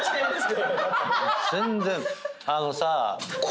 全然あのさ。